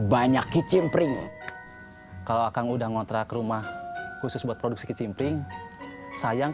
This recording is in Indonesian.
banyak kicimpring kalau akan udah ngontrak rumah khusus buat produksi kicimpling sayang